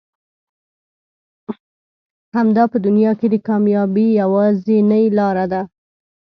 همدا په دنيا کې د کاميابي يوازنۍ لاره ده.